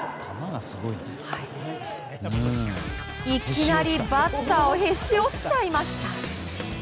いきなりバットをへし折っちゃいました。